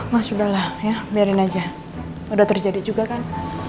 mas udahlah ya biarin aja udah terjadi juga kan